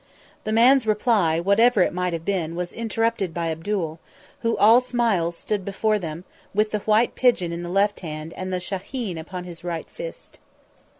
The man's reply, whatever it might have been, was interrupted by Abdul, who, all smiles, stood before them, with the white pigeon in the left hand and the shahin upon his right fist.